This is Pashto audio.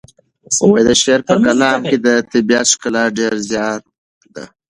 د شاعر په کلام کې د طبیعت ښکلا ډېره زیاته ده.